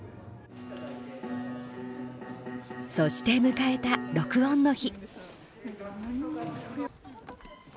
そして、迎えた録音の日。